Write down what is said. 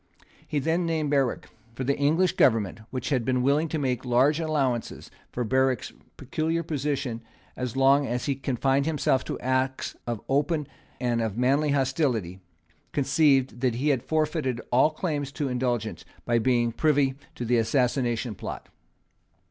He then named Berwick. For the English Government, which had been willing to make large allowances for Berwick's peculiar position as long as he confined himself to acts of open and manly hostility, conceived that he had forfeited all claim to indulgence by becoming privy to the Assassination Plot.